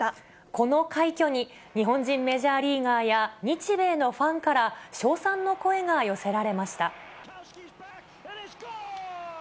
この快挙に、日本人メジャーリーガーや日米のファンから、称賛の声が寄せられました。